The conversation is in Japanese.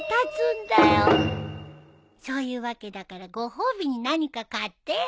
そういうわけだからご褒美に何か買ってよ。